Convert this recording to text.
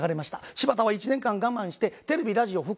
柴田は１年間我慢してテレビラジオ復活しました。